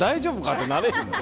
ってなれへんの？